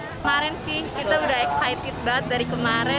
kemarin sih kita udah excited banget dari kemarin